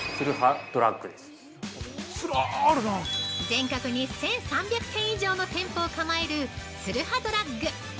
◆全国に１３００店以上の店舗を構える、ツルハドラッグ！